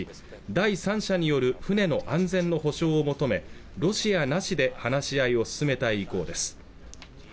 第三者による船の安全の保証を求めロシアなしで話し合いを進めたい意向です